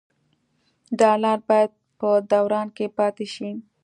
ډالر باید په دوران کې پاتې شي.